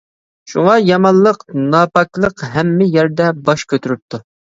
شۇڭا يامانلىق ناپاكلىق ھەممە يەردە باش كۆتۈرۈپتۇ.